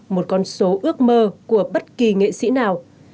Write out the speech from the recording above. một con số ước mơ của bất kỳ nghệ sĩ nào